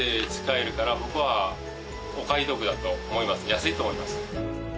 安いと思います。